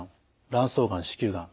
卵巣がん子宮がん